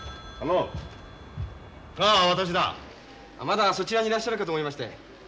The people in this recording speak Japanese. まだそちらにいらっしゃるかと思いまして。